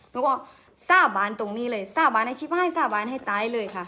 หนูก็สาบานตรงนี้เลยสาบานอาชีพให้สาบานให้ตายเลยค่ะ